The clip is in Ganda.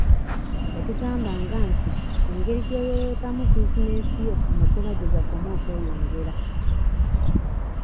Yatugambanga nti engeri gy'oyooyootamu bizinesi yo amagoba gye gakoma okweyongera.